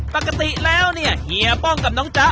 ปกติแล้วเนี่ยเฮียป้องกับน้องจ๊ะ